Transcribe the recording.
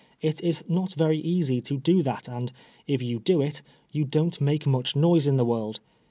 It is not very ea^ to do that, and if you do it, you don't make much noise in the world.